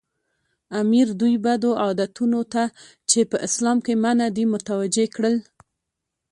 امیر دوی بدو عادتونو ته چې په اسلام کې منع دي متوجه کړل.